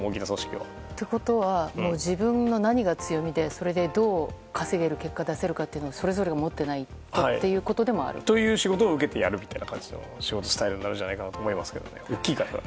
ということは自分の何が強みでそれでどう稼げる結果を出せるというのをそれぞれが持っていないとということになる？という仕事を受けてやるみたいなスタイルになると思いますけどね大きい会社は。